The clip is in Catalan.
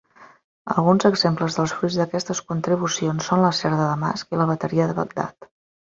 Alguns exemples dels fruits d'aquestes contribucions són l'acer de Damasc i la Bateria de Bagdad.